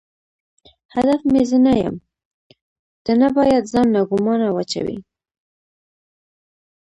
هدف مې زه نه یم، ته نه باید ځان ناګومانه واچوې.